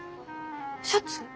シャツ？